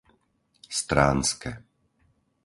Stránske